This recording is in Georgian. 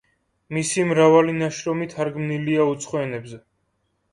მისი მრავალი ნაშრომი თარგმნილია უცხო ენებზე.